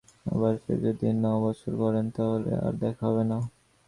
আবার ফের যদি ন বছর করেন তা হলে আর দেখা হবে না।